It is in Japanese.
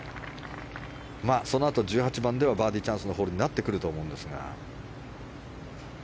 そのあと１８番はバーディーチャンスのホールになってくるとは思うんですが。